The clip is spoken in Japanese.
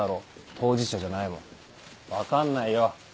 当事者じゃないもん分かんないよ。